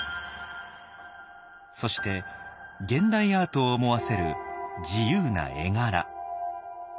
そして現代アートを思わせる自由な絵柄。